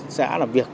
xã làm việc